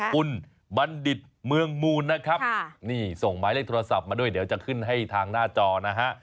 คุณบัณฑิตเมืองมูลนะครับนี่ส่งหมายเลขโทรศัพท์มาด้วยเดี๋ยวจะขึ้นให้ทางหน้าจอนะฮะ